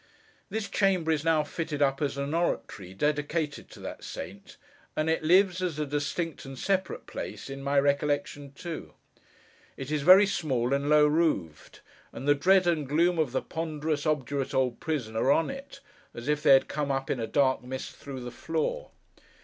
This chamber is now fitted up as an oratory, dedicated to that saint; and it lives, as a distinct and separate place, in my recollection, too. It is very small and low roofed; and the dread and gloom of the ponderous, obdurate old prison are on it, as if they had come up in a dark mist through the floor.